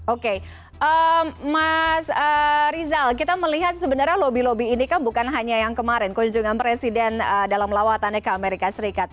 oke mas rizal kita melihat sebenarnya lobby lobby ini kan bukan hanya yang kemarin kunjungan presiden dalam lawatannya ke amerika serikat